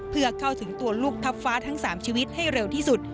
เพื่อเข้าถึงตัวลูกทัพฟ้าทั้ง๓ชีวิตให้เร็วที่สุด